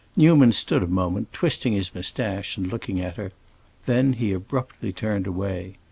Newman stood a moment, twisting his moustache and looking at her; then he abruptly turned away.